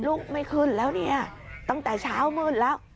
ลุกไม่ขึ้นแล้วเนี่ยตั้งแต่เช้ามืดแล้ว